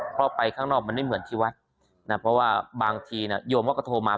เพราะไปข้างนอกมันไม่เหมือนที่วัดนะเพราะว่าบางทีเนี่ยโยมเขาก็โทรมา